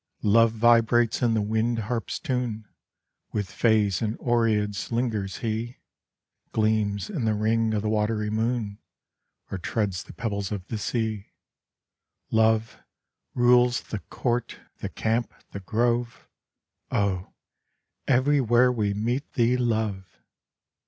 Love vibrates in the wind harp s tune With fays and oreads lingers he Gleams in th ring of the watery moon, Or treads the pebbles of the sea. Love rules " the court, the camp, the grove " Oh, everywhere we meet thee, Love